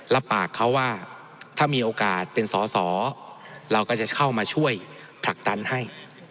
รับปากเขาว่าถ้ามีโอกาสเป็นสอสอเราก็จะเข้ามาช่วยผลักดันให้